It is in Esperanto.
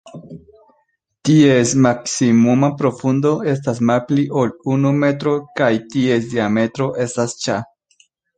Ties maksimuma profundo estas malpli ol unu metro kaj ties diametro estas ĉa.